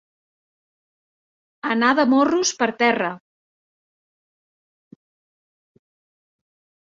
Anar de morros per terra.